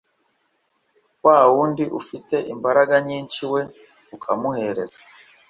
wawundi ufite imbaraga nyinshi we ukamuhereza